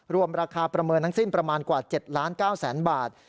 รวมราคาประเมินทั้งสิ้นประมาณกว่า๗ล้าน๙แสนบาท